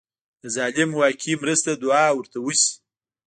د ظالم واقعي مرسته دعا ورته وشي.